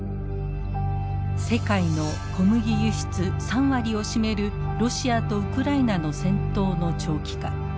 世界の小麦輸出３割を占めるロシアとウクライナの戦闘の長期化。